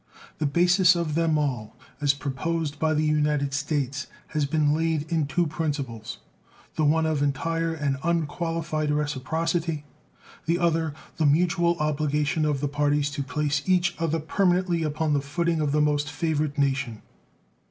The basis of them all, as proposed by the United States, has been laid in two principles the one of entire and unqualified reciprocity, the other the mutual obligation of the parties to place each other permanently upon the footing of the most favored nation.